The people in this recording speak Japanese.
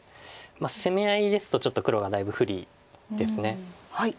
攻め合いですとちょっと黒がだいぶ不利です。